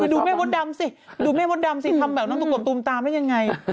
ดูแม่หมดดำสิทำแบบน้องตุ๊มตามทำกันได้อย่างไร